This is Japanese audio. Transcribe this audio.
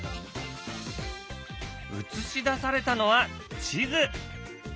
映し出されたのは地図。